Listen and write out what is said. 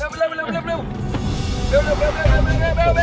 กับไป